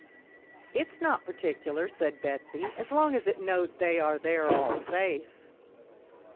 " It's not particular," said Betsy, " as long as it knows they are there all safe."